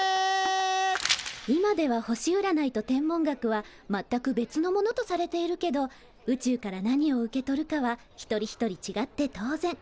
今では星うらないと天文学はまったく別のものとされているけど宇宙から何を受け取るかは一人一人ちがって当然。